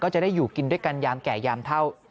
จะได้อยู่กินด้วยกันยามแก่ยามเท่า